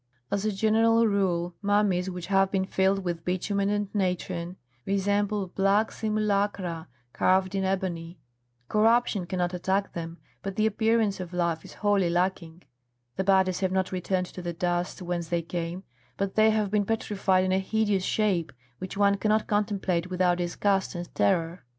As a general rule mummies which have been filled with bitumen and natron resemble black simulacra carved in ebony; corruption cannot attack them, but the appearance of life is wholly lacking; the bodies have not returned to the dust whence they came, but they have been petrified in a hideous shape, which one cannot contemplate without disgust and terror.